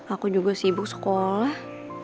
aku juga sibuk sekolah